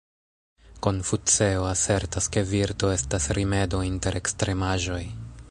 Konfuceo asertas ke virto estas rimedo inter ekstremaĵoj.